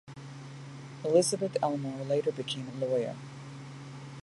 Elizabeth Elmore later became a lawyer.